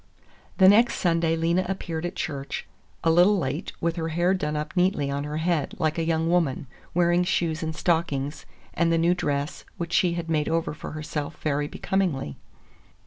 The next Sunday Lena appeared at church, a little late, with her hair done up neatly on her head, like a young woman, wearing shoes and stockings, and the new dress, which she had made over for herself very becomingly.